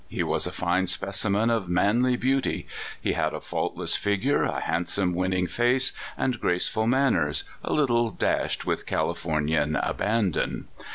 He was a fine specimen of manly beauty. He had a faultless figure, a handsome, winning face, and graceful manners, a little dashed with Californian abandon.